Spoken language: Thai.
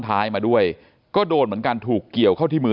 ท้ายมาด้วยก็โดนเหมือนกันถูกเกี่ยวเข้าที่มือ